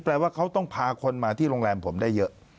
แปลว่าเขาต้องพาคนมาที่โรงแรมผมได้เยอะ